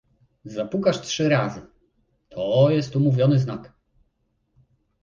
"Zapukasz trzy razy; to jest umówiony znak."